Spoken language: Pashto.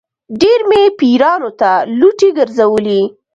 ډېر مې پیرانو ته لوټې ګرځولې.